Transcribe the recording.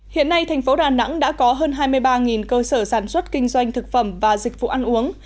hiện nay thành phố đà nẵng đã có hơn hai mươi ba cơ sở sản xuất kinh doanh thực phẩm và dịch vụ ăn uống